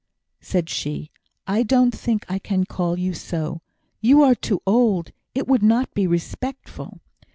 said she, "I don't think I can call you so. You are too old. It would not be respectful."